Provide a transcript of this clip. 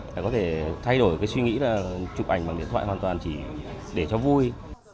để có thể thay đổi cái suy nghĩ là chụp ảnh bằng điện thoại hoàn toàn chỉ để cho vui